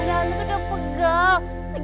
ya aku udah pegal